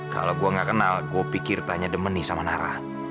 kalau gue gak kenal gue pikir tanya demeni sama nara